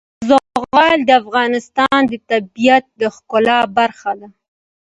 زغال د افغانستان د طبیعت د ښکلا برخه ده.